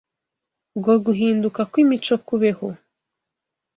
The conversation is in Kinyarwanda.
ngo guhinduka kw’imico kubeho.